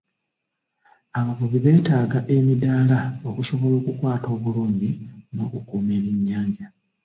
Abavubi beetaaga emidaala okusobola okukwata obulungi n'okukuuma ebyennyanja.